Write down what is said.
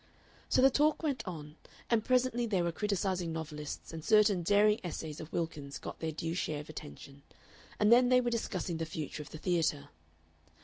So the talk went on, and presently they were criticising novelists, and certain daring essays of Wilkins got their due share of attention, and then they were discussing the future of the theatre.